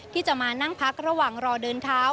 ที่จะมานั่งพักระหว่างรอเดินเท้า